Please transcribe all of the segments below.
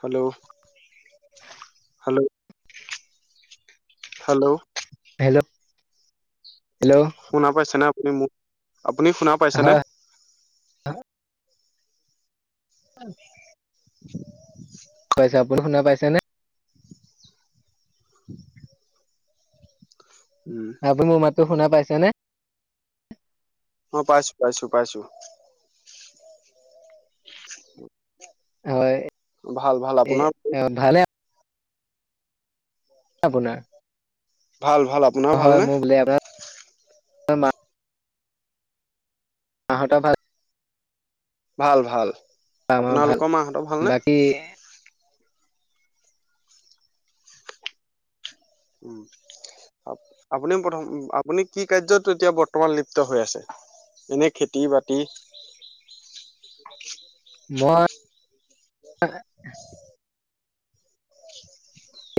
Hello? Hello? Hello? Hello? Hello শুনা পাইচেনে? তুমি মোক আপুনি শুনা পাইছেনে? হয় অ [unintelligible] [unintelligible] পাইছে। আপুনি শুনা পাইছেনে? [unintelligible] উম, আপুনি মোৰ মাততো শুনা পাইছে ছেনে? অ' পাইছো পাইছো পাইছো হয়। ভাল, ভাল। এ আপোনাৰ? ভালে আপোনাৰ? ভাল, ভাল। আপোনাৰ ভালনে? হয়ম [unintelligible] হহা ভাল [unintelligible] ভাল, ভাল। আমাৰ ভাল। আপোনালোকৰ মাহঁতৰ ভালনে? বাকী? আপুনি প্ৰথম আপুনি কি কাৰ্যত এতিয়া বৰ্তমান লিপ্ত হৈ আছে? এনে খেতি, বাতি মই [unintelligible]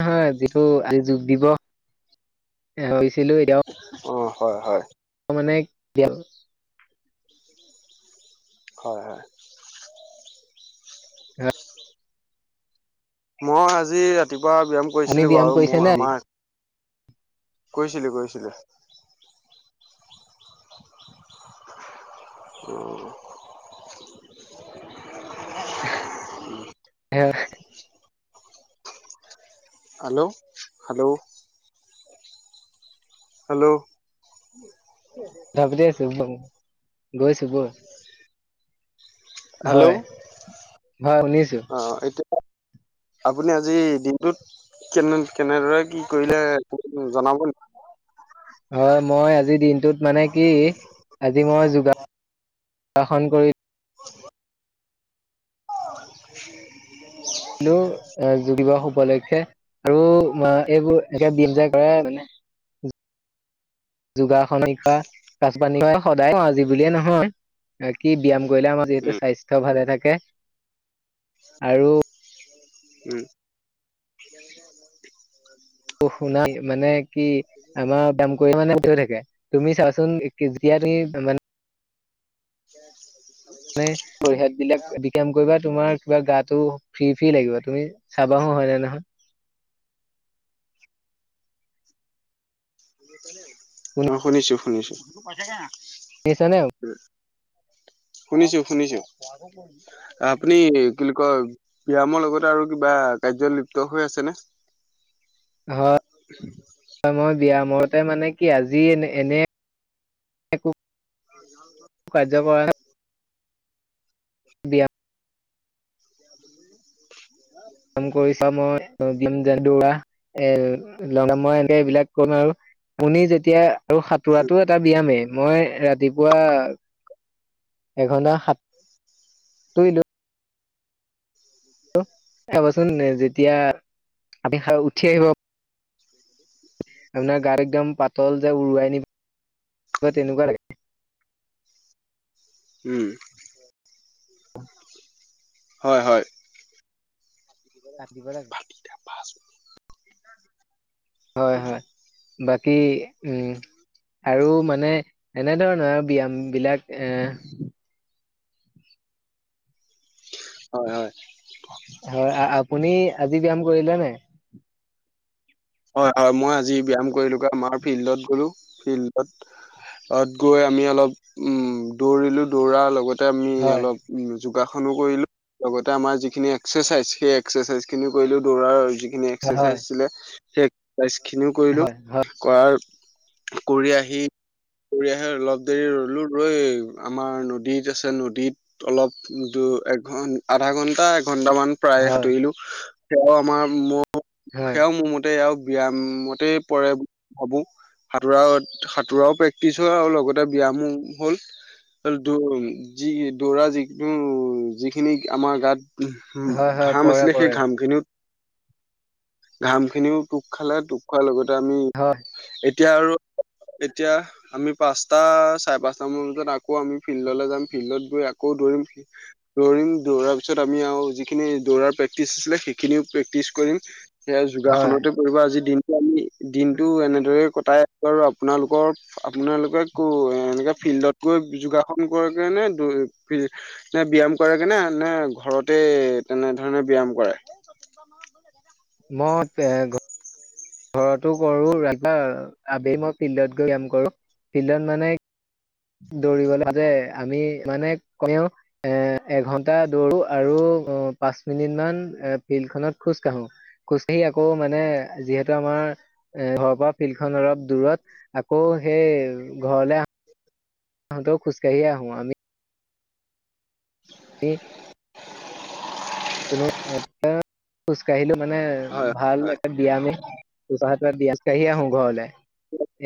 হয়। যিটো আজি যোগ দিৱস হৈছিলো এতিয়াও অ' হয়, হয়। মানে গেল হয়, হয়। হ'। মই আজি ৰাতিপুৱা পুৱা ব্যায়াম আমি কৰিছিলো ব্যায়াম বাৰু, কৰিছে মোৰ নে আজি আমাৰ কৰিছিলো, কৰিছিলো। অ'। হ [unintelligible] হেল্ল, ' হেল্ল'? হেল্ল'? ধাবতি আছো, ব'ল গৈছো ব'ল। হয়, হেল্ল' হয় শুনিছো। অ, এতিয়া আপুনি আজি দিনটোত কেনে কেনেদৰে কি কৰিলে উম জনাব নেকি? হয় মই আজি দিনটোত মানে কি আজি মই যোগাৰ শাসন কৰি [unintelligible] [unintelligible] যোগ দিৱস উপলক্ষে আৰু এইবোৰ এতিয়া [unintelligible] যায় কৰে মানে যোগাসন [unintelligible] পানী সদায়ে কও আজি বুলিয়ে নহয় কি ব্যয়াম কৰিলে আমাৰ যিহেতু উম স্বাস্থ্য ভালে থাকে তাকে আৰু উম। অঁ শুনাই মানে কি আমাৰ ব্যায়াম কৰিলে মানে [unintelligible] থাকে তুমি চাবাচোন যিতিয়া তুমি মানে [inaudible] মানে [unintelligible] বিলাক দিকেলেম কৰিবা তোমাৰ কিবা গাটো ফ্ৰী ফ্ৰী লাগিব তুমি চাবাহো হয় নে নহয়। অ', শুনিছো শুনিছো। [unintelligible] শুনিছো শুনিছো আপুনি কি বুলি কয় ব্যায়ামৰ লগতে আৰু কিবা কাৰ্য লিপ্ত হৈ আছেনে? হয়, হয় মই বিয়ামত তে মানে কি আজি এনে এনে একো [unintelligible] কাৰ্য কৰা বিয়াম কাম কৰিছা মই জিম জ ডৈৰা এ [unintelligible] মই এনেই এইবিলাক কম আৰু শুনি যেতিয়া আৰু সাঁতোৰাটো এটা ব্যাময়েই। মই ৰাতিপুৱা এঘন্টা সাঁতোৰিলো [unintelligible] হবচোন যেতিয়া আপি উঠি আহিব আপোনাৰ গাত একদম পাতল উৰুৱাই নিব তেনেকো লাগে। উম হয় হয়। কাতিব লাগে। [unintelligible] হয় হয়, বাকী উম আৰু মানে এনেধৰণৰে ব্যয়ামবিলাক। এ হয় হয় হয়, আপুনি আজি ব্যয়াম কৰিলে নাই? হয়, মই আজি ব্যায়াম কৰিলোঁ আমাৰ ফিল্ডত গলোঁ। ফিল্ডত গৈ আমি অলপ উম, দৌৰিলো দৌৰাৰ লগত তে আমি হয় অলপ উ যোগাসনো কৰিলো, লগতে আমাৰ যিখিনি এক্সাৰচাইজ সেই এক্সাৰচাইজ খিনিও কৰিলো। দৌৰাৰ খিনি এক্সাৰচাইজ হয় আছিলে। চেক চাইজ খিনিও কৰিলো হয় হয় কৰাৰ কৰি আহি কৰি আহি অলপ দেৰি ৰ'লো ৰৈ আমাৰ নদীত আছে নদীত অলপ দু একঘন আধা ঘন্টা ঘন্টা মান প্ৰায় হয় সাঁতুৰিলো। এই অঁ আমাৰ ম হয় সেয়াও মো ম সেয়াও ব্যমতে পৰে ভাবো সাঁতোৰা সাঁতোৰাও প্ৰেক্টিচ হয় আৰু লগতে ব্যয়ামো হ'ল যি দৌৰা যিটো যিখিনি আমাৰ গাত উ হয় হয় ঘাঁম পৰে আছিলে সেই পৰে ঘাম খিনিও ঘাম খিনিও টোপ খালে টোপ খোৱাৰ লগতে তে আমি হয় এতিয়া আৰু। এতিয়া আমি পাঁচটা, চাৰে পাঁচটা মান বজাত আকৌ আমি ফিল্ডলৈ যাম, ফিল্ডত গৈ আকৌ দৌৰিম, দৌৰিম দৌৰাৰ পিছত আমি আৰু যিখিনি দৌৰাৰ প্ৰেক্টিচ আছিলে সেইখিনিও প্ৰেক্টিচ কৰিম। হয়, যোগাসনতে কৰিবা আজি দিন দিনটো এনেদৰই ক তাই আৰু আপোনালোকৰ আপোনালোকে ক এ এনেকে ফিল্ডত গৈ যোগাসন কৰে গে নে, ফিল নে ব্যায়াম কৰে গে নে? নে ঘৰতে তেনেধৰণে ব্যায়াম কৰে? ম‌ই বে ঘ ঘৰতো কৰোঁ ৰাধা আবে মই ফিল্ডত গৈ ব্যায়াম কৰোঁ, ফিল্ডত মানে। দৌৰিবলৈ যতে আমি মানে কমেও এ এঘন্টা দৌৰো আৰু পাঁচ মিনিট মান এ ফিল্ডখনত খোজ কাঢ়োঁ। খোজ কাঢ়ি আকৌ মানে যিহেতু আমাৰ এ ঘৰৰ পৰা ফিল্ডখন অলপ দূৰত আকৌ সেই ঘৰলে আহোঁ। আহোতে খোজ কাঢ়িয়ে আহোঁ আমি। এই কোনো এটা খোজ কাঢ়িলোঁ। মানে হয় ভাল হয় এটা ব্যয়ামেই। যায় পাই ব্যায়াম খোজকাঢ়ি আহোঁ ঘৰলে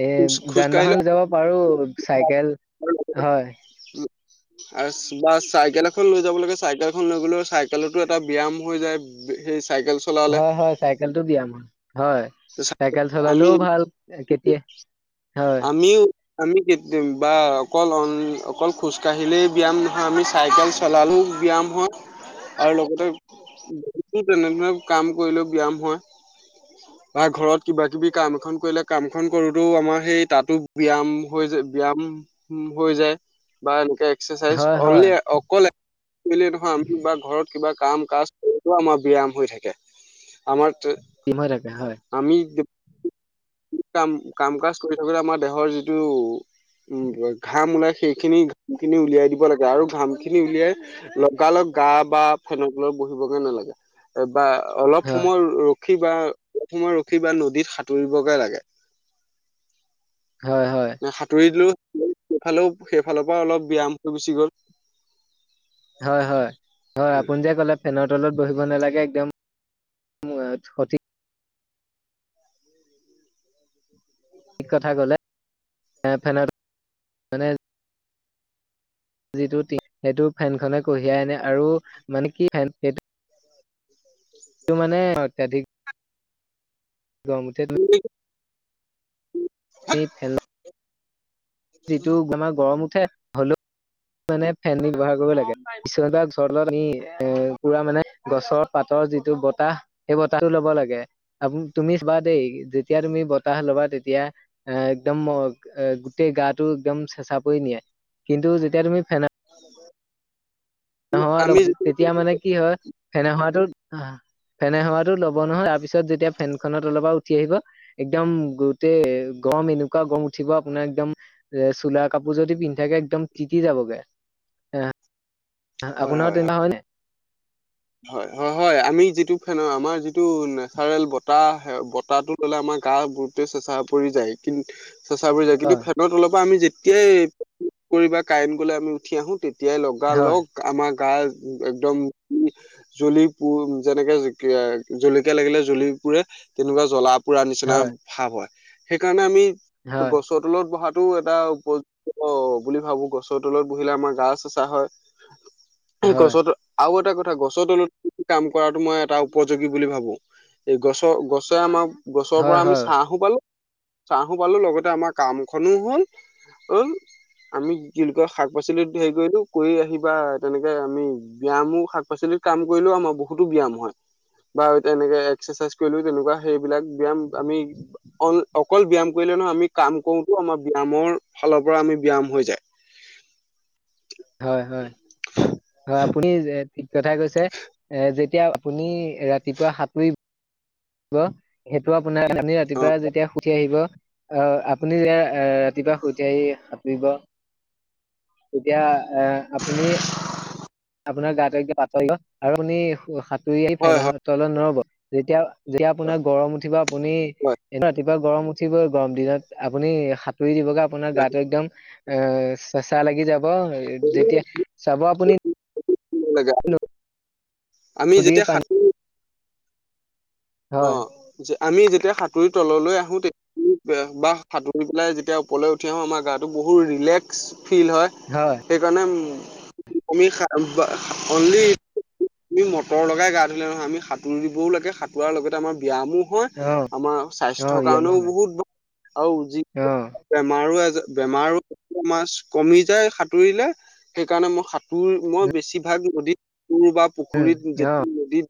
এ খোজ খোজ যান-বাহন কাঢ়িলে যাব পাৰোঁ চাইকেল হয়। আৰু বা চাইকেল এখন লৈ যাব লাগে। চাইকেল এখন লৈ গ'লেও চাইকেলতো এটা ব্যায়াম হৈ যায় সেই। চাইকেল চলালে হয়, হয় চাইকেলটো ব্যায়াম হয়। হয়, চাইকেল আমি চলালেও ভাল কেতিয়া হয়। কি টিম বা অকল অকল খোজকাঢ়িলেই ব্যায়াম নহয়, আমি চাইকেল চলালেও ব্যায়াম হয়। আৰু লগতে। কি তেনেধৰনে কাম কৰিলেও ব্যায়াম হয়। বা ঘৰত কিবা কিবি কাম এখন কৰিলে কামখন কৰোতেও আমাৰ সেই তাতো ব্যায়াম হৈ যায় ব্যায়াম হৈ যায়। বা এনেকে এক্সাৰচাইজ হয় হয় অনলি অকলে [inaudible] নহয় আমি বা ঘৰত কিবা। কাম কাজ কৰিতো আমাৰ ব্যায়াম হৈ থাকে। আমাৰ তে টিম হৈ থাকে হয় আমি কাম কাম কাজ কৰি থাকোতে আমাৰ দেহৰ যিটো উম ঘাম ওলাই সেইখিনি ঘাম খিনি উলিয়াই দিব লাগে। আৰু ঘাম খিনি উলিয়াই লগালগ গা বা ফেনৰ তলত বহিবগে নালাগে। এ বা অলপ হয় সময় ৰ ৰখি বা প্ৰথমে ৰখি বা নদীত সাঁতুৰিব লাগে। হয় হয় নে সাঁতুৰি দিলো সেইফালৰ পৰা অলপ ব্যয়াম হৈ গুচি গ'ল। হয়, হয়, হয় আপুনি যে ক'লে ফেনৰ তলত বহিব নালাগে একদম [inaudible] সঠিক। ঠিক কথা ক'লে ফেনত মানে যিটো সেইটো ফেনখনে কঢ়িয়াই আনে আৰু মানে কি ফেন সেইটো [inaudible] সেইটো মানে অত্যাধিক গৰম উঠে তুমি ম ফেলেলা। [unintelligible] যিটো আমাৰ গৰম উঠে হ'লেও মানে ফেন ব্যৱহাৰ কৰিব লাগে কিছুমান বা ঘৰ তলত নি এ পুৰা মানে গছৰ পাতৰ যিটো বতাহ সেই বতাহটো ল'ব লাগে আ তুমি বা দেই। যেতিয়া তুমি বতাহ ল'বা তেত তেতিয়া এ একদম গোটেই গাটো একদম চেচা পৰি নিয়ে। কিন্তু যেতিয়া যেতিয় তুমি ফেন [unintelligible] হয় লোক আমি তেতিয়া মানে কি হয় ফেনৰ হাৱাটোত অঁ। ফেনে হাৱাটো ল'ব নহয় তাৰ পিছত যেতিয়া ফেনখ ফেনৰ তলৰ পৰা উঠি আহিব। একদম গোটেই গৰম এনেকুৱা গৰম উঠিব। আপোনাৰ একদম এ চোলা কাপোৰ যদি পিন্ধি থাকিব একদম তিতি জাবগে। হয় হয় আপোনাৰো তেনেকুৱা হয়নে? হয়, হয়, হয় আমি যিটো ফেনৰ আমাৰ যিটো নেচাৰেল বতাহ আহে, বতাহটো পৰিলে আমাৰ গা গোটেই চেচা পৰি যায়। কিন্তু চেচা পৰি যায়, কিন্তু হয়, ফেনৰ তলৰ পৰা আমি যেটি তেতিয়াই কৰিব কাৰেণ্ট গলে, আমি উঠি আহো তেতিয়া। তেতিয়াই লগা হয়, লগ আমাক গা একদম। জ্বলি পু যেনেকে জলকীয়া লাগিলে জ্বলি পুৰে, তেনেকুৱা জ্বলা। পুৰা নিচিনা হয়, ভাৱ হয়। সেইকাৰণে আমি। হয়, গছৰ তলত বহা। টো এটা, বহুন বুলি ভাবো। গছৰ তলত বহিলে আমাৰ গা চেচা হয়। এই হয়, গছৰ তল। আও। তে, গছৰ তলত কাম কৰা তেওঁ মই এটা উপযোগী বুলি ভাৱো। গছ গছৰ আমাৰ। হয়, গছৰ পৰা হয়, আমি ছাঁ হো পালো চাহু পালোঁ লগেতে আমাৰ কাম সমূহ হল। অ, আমি জেনুকা শাক পাচলি ধেৰি কৰিলোঁ কৰী আহিব তেনুকা আমি বিয়ামো শাক পেচেনিত কাম কৰিলেও আমাৰ বহুতো ব্যয়াম হয়, বা তেনেকে এক্সেচাইজ কৰিলেও তেনুকা সেইবিলাক ব্যয়াম আমি, অকল ব্য়ায়াম কৰিলে নহয় আমি কাম কৰোতো আমাৰ ব্যয়ামৰ ফালৰ পৰা আমি ব্যয়াম হৈ যায়। হয়, হয়, হয় আপুনি। কথা কৈছে এ। যেতিয়া আপুনি ৰাতিপুৱা সাঁতুৰি ব সেইটো আপ। আপোনাৰ আমি অ ৰাতিপুৱা যেতিয়া সুথি আহিব। অ' আপুনি এয়া এ। দিবা সুধি আহি খা দিবা এতিয়া এ' আপুনি আপোনাৰ গা টো একে পাতল ন' আৰু আপুনি সো-সাঁত তুই আহি হয় হয় ফেনাহা তলত নৰ'ব। তেতিয়া। যেতিয়া হয় আপোনাৰ গৰম উঠিব, আপুনি হয় এবাটোত ত গৰম উঠিবই গৰম দিনত আপুনি সাঁতুৰি দিব। আপোনাৰ ৰাখিব গাটো একদম। এ' চেচা লাগি যাব, যেতিয়া চাব আপুনি [unintelligible] আমি নদীৰ যেতিয়া পানী সাঁতোৰো হয় অ' জ আমি যেতিয়া তেতিয়া সাঁতুৰি তললৈ আহোঁ তে বা সাঁতুৰি পেলাই যেতিয়া ওপৰলৈ উঠি আহোঁ আমাৰ গাটো বহুত ৰিলেক্স ফিল হয় সেইকাৰণে উম আমি সা-বা অনলি মটৰ লগাই গা ধুলে নহয়, আমি সাঁতুৰি দিবও লাগে সাঁত পোৱাৰ লগতে আমাৰ ব্যায়ামো হয়, অ আমাৰ অ স্বাস্থ্যৰ ব্যায়ামো কাৰণেও হয় বহুত ভাল আৰু যি অ বেমাৰো-এজৰ। বেমাৰো জ আমাৰ কমি যায় সাঁতুৰিলে সেইকাৰণে মই সাঁতুৰি মই বেছিভাগ নদী পুল বা উম পুখুৰীত অ যতি নদীত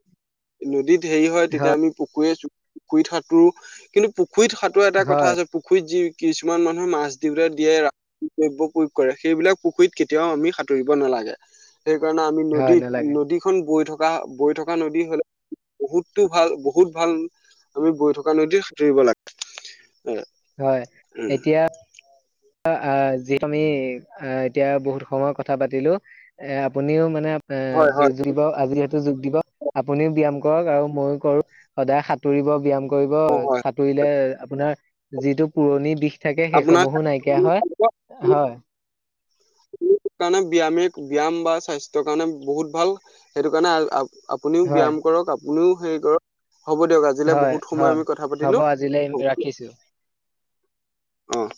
নদীত হেই তেতিয়া আমি পুখুৰীয়ে-চুখুৰীয়ে খুৰিত সাঁতোৰো, কিন্তু পুখু পুখুৰীত সাঁটোৰাৰ এটা কথা হয় আছে। পুখুৰীত যি কিছুমান মানুহ মাছ দিউতে দিয়ে ৰা দ্ৰব্য প্ৰয়োগ কৰে সেইবিলাক পুখুৰীত কেতিয়াও আমি সাঁতুৰিব নালাগে। সেই কাৰণে আমি হয় নদীত নালাগে নদী খন বৈ থকা থকা বৈ থকা নদী হ'লে বহুত টো ভাল, বহুত ভাল, আমি বৈ থকা নদীত সাতুৰিব লাগে। হয়, এতিয়া আহ আহ যিহেতু আমি আহ এতিয়া বহুত সময় কথা পাতিলো এ আপুনিও মানে এ হয় হয় যদি বাৰু আজি জি যোগ দিবস। আপুনিও ব্যায়াম কৰক আৰু ময়ো কৰো, সদায় সাঁতুৰিব ব্যায়াম কৰিব। অ হয় সাঁতুৰিলে আপোনাৰ যিটো পুৰণি বিষ থাকে সেইসমূহো নাই কিয়া হয়, আপোনাৰ হয়। কাৰণে ব্যয়ামে ব্যয়াম বা স্বাস্থ্যৰ কাৰণে বহুত ভাল। সেইটো কাৰণে আপুনিও হয় ব্যায়াম কৰক কলেও হেই কৰক। হ'ব দিয়ক, আজিলৈ হয় বহুত সময় হয় আমি কথা হ'ব পাতিলো আজিলৈ ৰাখিছো অ'।